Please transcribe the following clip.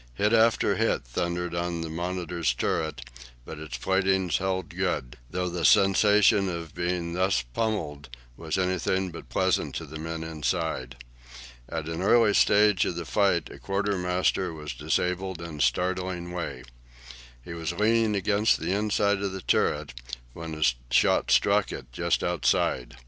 Hit after hit thundered on the "Monitor's" turret, but its plating held good, though the sensation of being thus pummelled was anything but pleasant to the men inside. At an early stage of the fight a quartermaster was disabled in a startling way. He was leaning against the inside of the turret, when a shot struck it just outside.